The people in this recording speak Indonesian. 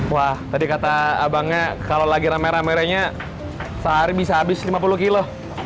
wah tadi kata abangnya kalau lagi ramai ramainya sehari bisa habis lima puluh kilo